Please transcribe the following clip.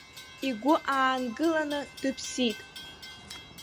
Игәы аангыланы дыԥсит.